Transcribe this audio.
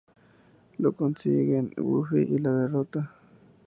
Lo consiguen y Buffy le derrota.